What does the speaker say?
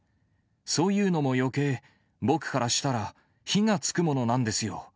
そういうのもよけい、僕からしたら、火がつくものなんですよ。